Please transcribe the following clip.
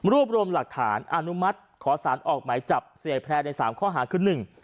รวมรวมหลักฐานอนุมัติขอสารออกหมายจับเสียแพร่ในสามข้อหาคือหนึ่ง